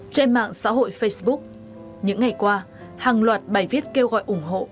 trên mạng xã hội facebook những ngày qua hàng loạt bài viết kêu gọi ủng hộ